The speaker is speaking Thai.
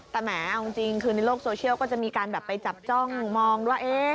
แต่แหมเอาจริงคือในโลกโซเชียลก็จะมีการแบบไปจับจ้องมองว่า